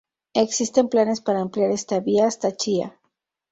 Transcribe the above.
Existen planes para ampliar esta vía hasta Chía.